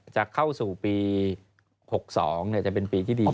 จะเข้าสู่ปี๖๒จะเป็นปีที่ดี